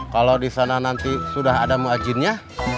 kalau disana nanti sudah ada mu'ajinnya